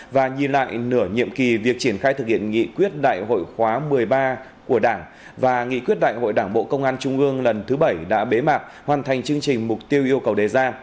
và nhìn lại nửa nhiệm kỳ việc triển khai thực hiện nghị quyết đại hội khóa một mươi ba của đảng và nghị quyết đại hội đảng bộ công an trung ương lần thứ bảy đã bế mạc hoàn thành chương trình mục tiêu yêu cầu đề ra